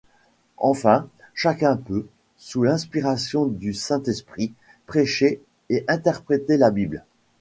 Enfin, chacun peut, sous l'inspiration du Saint-Esprit, prêcher et interpréter la Bible.